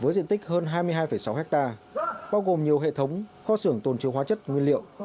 với diện tích hơn hai mươi hai sáu hectare bao gồm nhiều hệ thống kho xưởng tồn chứa hóa chất nguyên liệu